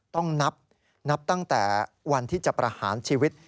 ต้องนับตั้งแต่วันที่จะประหารชีวิต